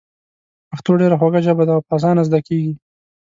پښتو ډېره خوږه ژبه ده او په اسانه زده کېږي.